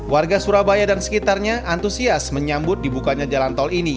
warga surabaya dan sekitarnya antusias menyambut dibukanya jalan tol ini